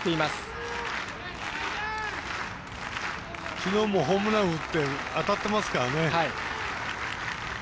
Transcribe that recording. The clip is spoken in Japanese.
きのうもホームランを打って当たってますからね。